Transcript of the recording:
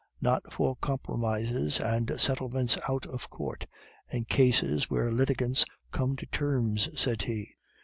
"'Not for compromises and settlements out of Court, and cases where litigants come to terms,' said he.